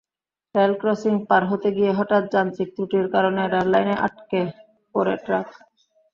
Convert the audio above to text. Rail crossing পার হতে গিয়ে হঠাৎ যান্ত্রিক ত্রুটির কারণে রেললাইনে আটকে পড়ে ট্রাক।